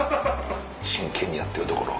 真剣にやってるところ。